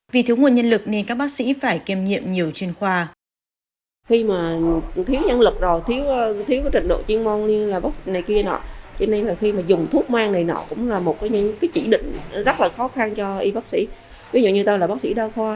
vì thiếu nguồn nhân lực nên các bác sĩ phải kiềm nhiệm nhiều chuyên khoa